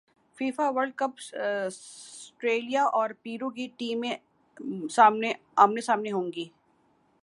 FIFA world cup سٹریلیا اور پیرو کی ٹیمیں منے سامنے ہوں گی